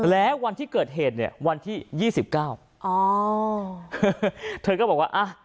แล้ววันที่เกิดเหตุเนี่ยวันที่ยี่สิบเก้าอ๋อเธอก็บอกว่าอ่ะ